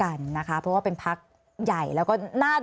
รัฐบาลนี้ใช้วิธีปล่อยให้จนมา๔ปีปีที่๕ค่อยมาแจกเงิน